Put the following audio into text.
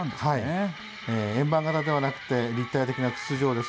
円盤型ではなくて、立体的な筒状です。